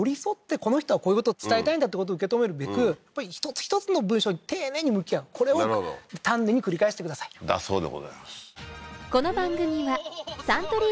この人はこういうことを伝えたいんだってことを受け止めるべく一つ一つの文章に丁寧に向き合うこれを丹念に繰り返してくださいだそうでございます